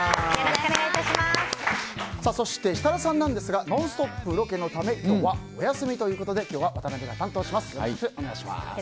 そして、設楽さんですが「ノンストップ！」ロケのため今日はお休みということで渡辺が担当します。